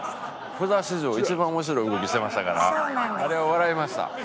札史上一番面白い動きしてましたからあれは笑いました。